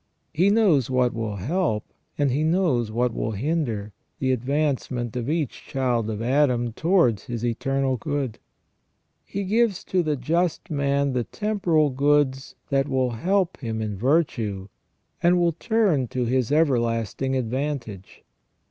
He knows what will help, and He knows what will hinder, the advancement of each child of Adam towards his eternal good. He gives to the just man the temporal goods that will help him in virtue, and will turn to his everlasting advantage.